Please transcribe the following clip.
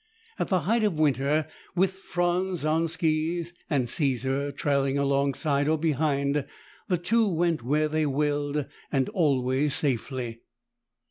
At the height of winter, with Franz on skis and Caesar trailing alongside or behind, the two went where they willed and always safely.